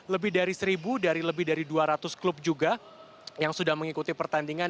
lebih dari seribu dari lebih dari dua ratus klub juga yang sudah mengikuti pertandingan